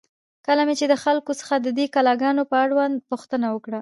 کله مې چې د خلکو څخه د دې کلا گانو په اړوند پوښتنه وکړه،